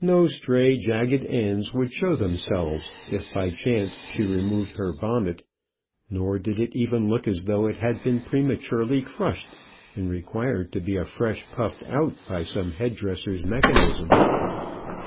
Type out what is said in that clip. No stray jagged ends would show themselves if by chance she removed her bonnet, nor did it even look as though it had been prematurely crushed and required to be afresh puffed out by some head dresser's mechanism.